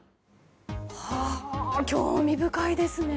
興味深いですね。